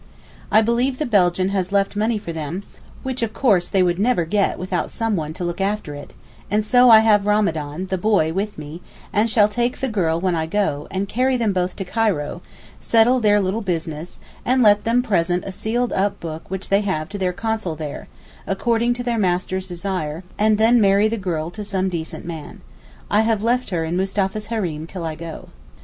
I believe the Belgian has left money for them, which of course they would never get without someone to look after it, and so I have Ramadan, the boy, with me, and shall take the girl when I go, and carry them both to Cairo, settle their little business, and let them present a sealed up book which they have to their Consul there, according to their master's desire, and then marry the girl to some decent man. I have left her in Mustapha's hareem till I go.